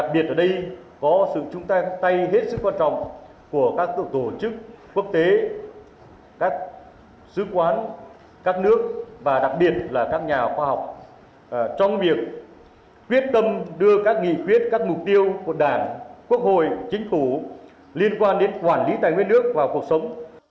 liên quan đến quản lý tài nguyên nước vào cuộc sống